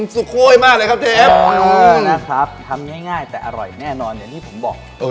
ทำง่ายแต่อร่อยแน่นอนอย่างที่ผมบอก